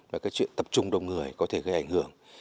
và cái chuyện tập trung đông người có thể gây ảnh hưởng